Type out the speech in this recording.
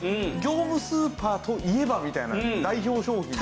業務スーパーといえばみたいな代表商品。